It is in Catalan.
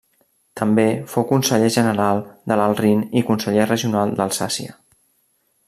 També fou conseller general de l'Alt Rin i conseller regional d'Alsàcia.